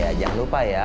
ya jangan lupa ya